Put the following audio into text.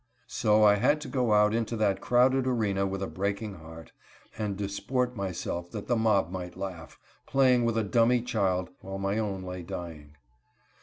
So I had to go out into that crowded arena with a breaking heart, and disport myself that the mob might laugh—playing with a dummy child while my own lay dying.